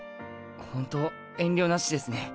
ほんと遠慮なしですね。